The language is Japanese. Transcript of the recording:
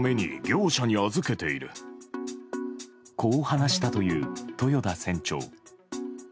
こう話したという豊田船長。